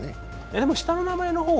でも、下の名前の方。